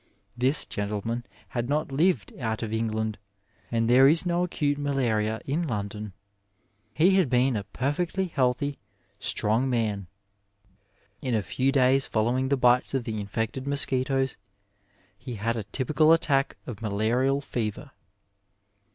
This gentle man had not lived out of England, and there is no acate malaria in London. He had been a perfectly healthy^ strong man. In a few days fcdlowing the bites of the infected mosquitoes he had a typical attack of malarial fever.